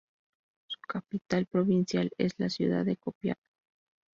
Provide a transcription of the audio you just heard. Su capital provincial es la ciudad de Copiapó.